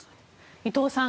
伊藤さん